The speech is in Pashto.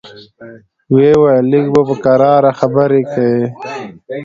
ويې ويل لږ به په کراره خبرې کيې.